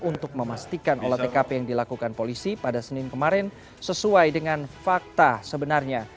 untuk memastikan olah tkp yang dilakukan polisi pada senin kemarin sesuai dengan fakta sebenarnya